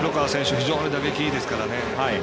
非常に打撃いいですからね。